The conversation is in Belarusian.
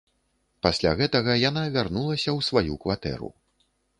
Пасля гэтага яна вярнулася ў сваю кватэру.